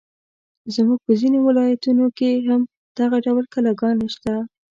زموږ په ځینو ولایتونو کې هم دغه ډول کلاګانې شته.